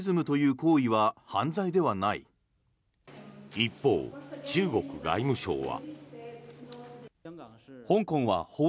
一方、中国外務省は。